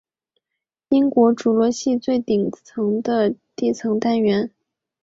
英国侏罗系最顶部的地层单元。